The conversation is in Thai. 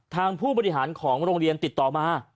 ผู้บริหารของโรงเรียนติดต่อมา